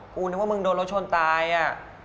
นึกว่ามึงโดนรถชนตายอ่ะ